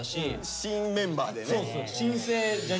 新メンバーでね。